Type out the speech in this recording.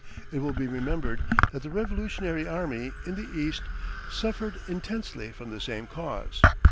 It will be remembered that the Revolutionary Army in the East suffered intensely from the same cause.